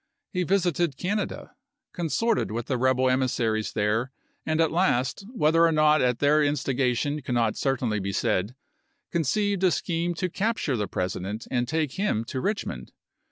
He visited Canada, consorted with the rebel emissaries there, and at last — whether or not at their instigation cannot certainly be said — conceived a scheme to capture the President and take him to Eichmond.